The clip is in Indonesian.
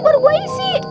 baru gua isi